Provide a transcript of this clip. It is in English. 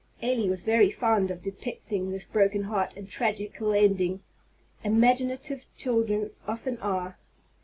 Elly was very fond of depicting this broken heart and tragical ending, imaginative children often are.